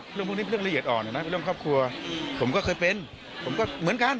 พรวมมันบันดาลีแหละอ่อนนะยี่ต้มครอบครัวผมก็เคยเป็นผมดับเหมือนกัน